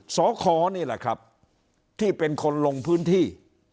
สคนี่แหละครับที่เป็นคนลงพื้นที่